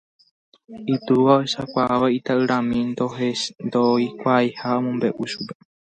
Itúva ohechakuaávo ita'yrami ndoikuaaiha omombe'u chupe.